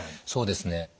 そうですね。